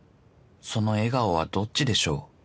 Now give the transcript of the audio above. その笑顔はどっちでしょう